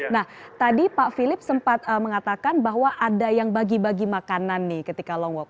nah tadi pak philip sempat mengatakan bahwa ada yang bagi bagi makanan nih ketika long walk